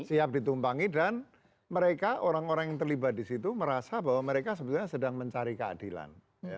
siap ditumpangi dan mereka orang orang yang terlibat di situ merasa bahwa mereka sebetulnya sedang mencari keadilan